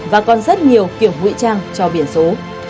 và còn rất nhiều kiểu ngụy trang cho biển số